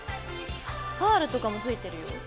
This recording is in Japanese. パールとかも付いてるよ。